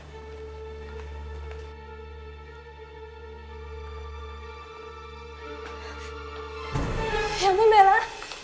ya ampun bella